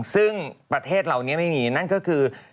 ซึ่งประเทศเราไม่มีนั่นก็คือ